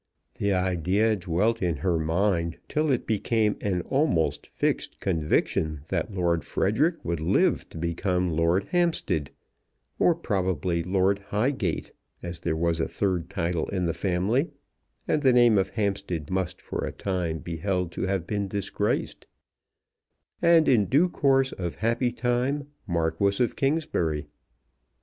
The idea dwelt in her mind till it became an almost fixed conviction that Lord Frederic would live to become Lord Hampstead, or probably Lord Highgate, as there was a third title in the family, and the name of Hampstead must for a time be held to have been disgraced, and in due course of happy time Marquis of Kingsbury.